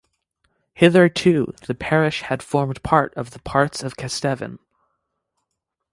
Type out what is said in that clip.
Hitherto, the parish had formed part of the Parts of Kesteven.